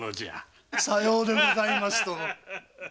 さようでございますとも。